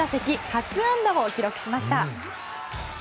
初安打を記録しました。